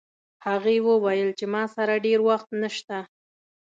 هغې وویل چې ما سره ډېر وخت نشته